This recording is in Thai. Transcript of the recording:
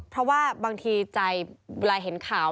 เพราะว่าบางทีใจเวลาเห็นข่าว